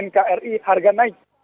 kri harga naik